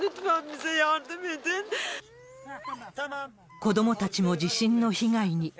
子どもたちも地震の被害に。